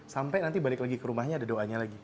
sampai nanti balik lagi ke rumahnya ada doanya lagi